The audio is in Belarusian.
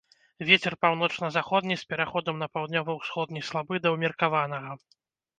Вецер паўночна-заходні з пераходам на паўднёва-ўсходні слабы да ўмеркаванага.